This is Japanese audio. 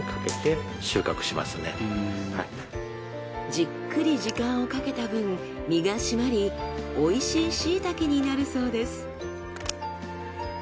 じっくり時間をかけた分身が締まり美味しいしいたけになるそうです。